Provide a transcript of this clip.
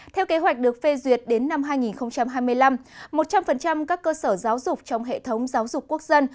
theo kế hoạch được phê duyệt đến năm hai nghìn hai mươi năm một trăm linh các cơ sở giáo dục trong hệ thống giáo dục quốc dân